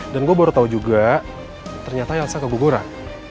dan gue baru tau juga ternyata elsa keguguran